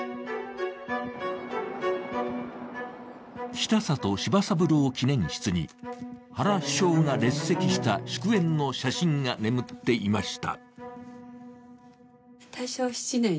北里柴三郎記念室に、原首相が列席した祝宴の写真が眠っていました。